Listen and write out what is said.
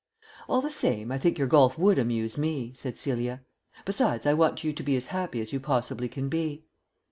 "All the same, I think your golf would amuse me," said Celia. "Besides, I want you to be as happy as you possibly can be."